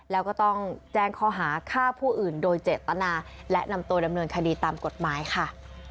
แล้วก็ต้องแจ้งข้อหาฆ่าผู้อื่นโดยเจตนาและนำตัวดำเนินคดีตามกฎหมายค่ะ